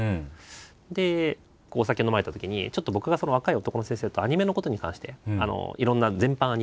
でお酒飲まれたときにちょっと僕がその若い男の先生とアニメのことに関していろんな全般アニメ。